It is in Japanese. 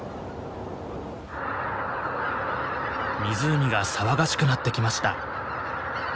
湖が騒がしくなってきました。